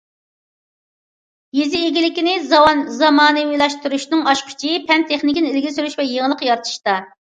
يېزا ئىگىلىكىنى زامانىۋىلاشتۇرۇشنىڭ ئاچقۇچى پەن- تېخنىكىنى ئىلگىرى سۈرۈش ۋە يېڭىلىق يارىتىشتا.